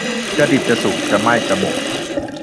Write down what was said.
จะดิบจะสุก จะไหม้จะหมก